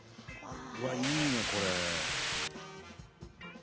うわっいいねこれ。